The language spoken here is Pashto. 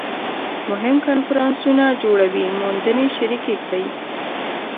مهم کنفرانسونه جوړوي موندنې شریکې کړي